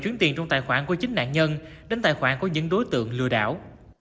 chuyển tiền trong tài khoản của chính nạn nhân đến tài khoản của những đối tượng lừa đảo